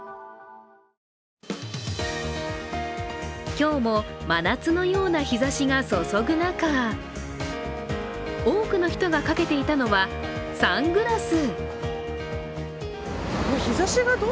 今日も真夏のような日ざしが注ぐ中、多くの人がかけていたのは、サングラス。